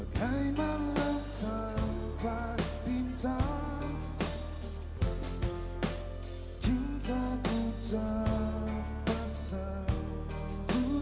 kau buat cemburu seluruh hatiku